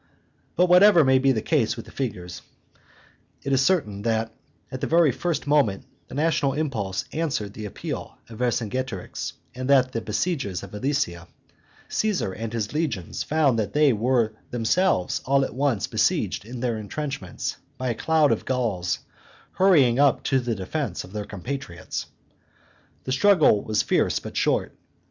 But whatever may be the case with the figures, it is certain that at the very first moment the national impulse answered the appeal of Vercingetorix, and that the besiegers of Alesia, Caesar and his legions, found that they were themselves all at once besieged in their intrenchments by a cloud of Gauls hurrying up to the defence of their compatriots. The struggle was fierce, but short.